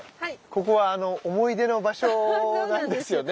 ここは思い出の場所なんですよね。